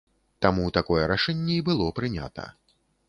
Таму такое рашэнне і было прынята.